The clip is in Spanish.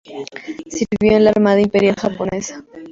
Sirvió en la Armada Imperial Japonesa.